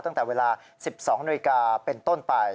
ตั้งแต่เวลา๑๒นาฬิกาเป็นต้นไป